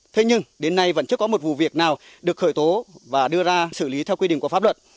thế nhưng đến nay vẫn chưa có một vụ việc nào được khởi tố và đưa ra xử lý theo quy định của pháp luật